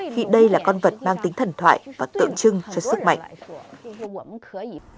khi đây là con vật mang tính thần thoại và tượng trưng cho sức mạnh